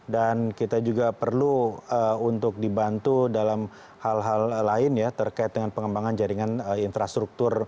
dan kita juga perlu untuk dibantu dalam hal hal lain ya terkait dengan pengembangan jaringan infrastruktur